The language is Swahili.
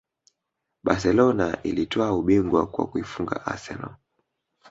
Barcelona ilitwaa ubingwa kwa kuifunga arsenal